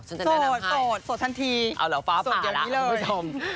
โสดทันทีโสดอย่างนี้เลยอ๋อเหรอฟ้าป่าละคุณผู้ชม